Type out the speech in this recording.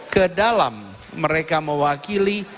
kedalam mereka mewakili